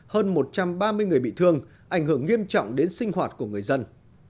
hơn một trăm ba mươi người bị thương ảnh hưởng nghiêm trọng đến sinh hoạt của người dân